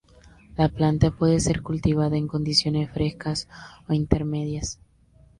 La planta puede ser cultivada en condiciones frescas o intermedias.